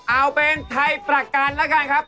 เอาเป็นไทยประกันแล้วกันครับ